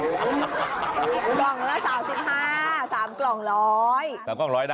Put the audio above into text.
กล่องละ๓๕๓กล่อง๑๐๓กล่องร้อยนะ